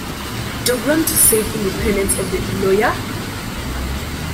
Dougram to save independence of the Deloyer!